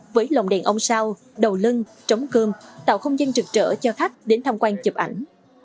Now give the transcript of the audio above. với lòng đèn ông sao đầu lân trống cơm tạo không gian trực trở cho khách đến tham quan chụp ảnh